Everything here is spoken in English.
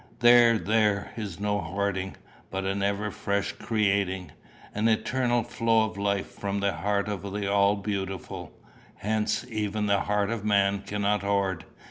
There, there is no hoarding, but an ever fresh creating, an eternal flow of life from the heart of the All beautiful. Hence even the heart of man cannot hoard.